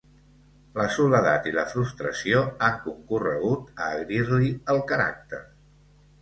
La soledat i la frustració han concorregut a agrir-li el caràcter.